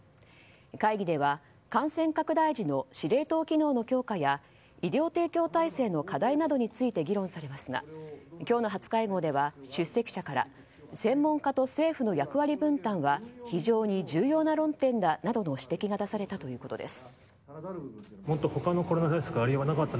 会議では感染拡大時の司令塔機能の強化や医療提供体制の課題などについて議論されますが今日の初会合では出席者から専門家と政府の役割分担は非常に重要な論点だなどの指摘が出されたということです。